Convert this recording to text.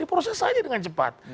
diproses saja dengan cepat